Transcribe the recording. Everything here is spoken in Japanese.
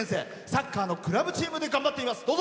サッカーのクラブチームで頑張っています。